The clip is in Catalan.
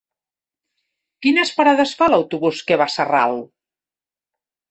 Quines parades fa l'autobús que va a Sarral?